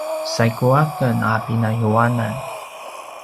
saigu a ken a pinayuanan